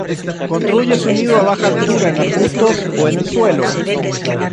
Construye su nido a baja altura en arbustos o en el suelo.